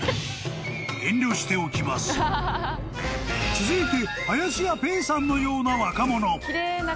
［続いて］